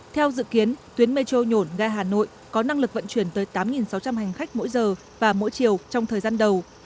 theo dự kiến tuyến metro nhổn gai hà nội có năng lực vận chuyển tới tám sáu trăm linh hành khách mỗi giờ và mỗi chiều trong thời gian đầu